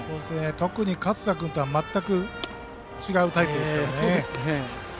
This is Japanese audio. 特に勝田君とは全く違うタイプですからね。